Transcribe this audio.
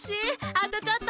あとちょっと。